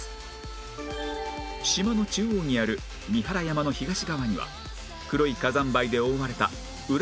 島の中央にある三原山の東側には黒い火山灰で覆われた裏